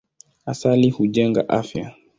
Asali hujenga afya.